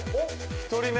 １人目。